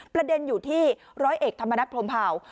ประเด็นอยู่ที่ร้อยเอกธรรมนัฐพรมเผา